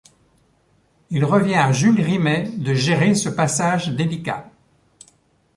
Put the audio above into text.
Il revient à Jules Rimet de gérer ce passage délicat.